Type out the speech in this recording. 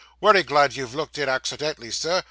'Wery glad you've looked in accidentally, Sir.